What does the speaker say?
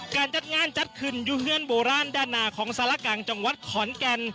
การจัดงานจัดขึ้นอยู่เฮื่อนโบราณด้านหน้าของสารกลางจังหวัดขอนแก่น